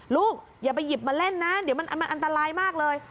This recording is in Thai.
อย่าไปหยิบมาเล่นนะเดี๋ยวมันอันตรายมากเลย